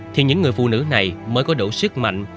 thì những người phụ nữ này mới có đủ sức mạnh